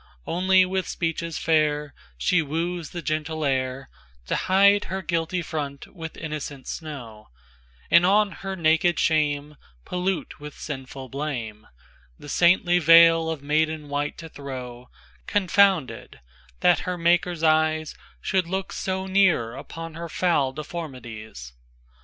IIOnly with speeches fairShe woos the gentle airTo hide her guilty front with innocent snow, And on her naked shame, Pollute with sinful blame, The saintly veil of maiden white to throw; Confounded, that her Maker's eyesShould look so near upon her foul deformities.